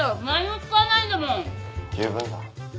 何も使わないんだもん。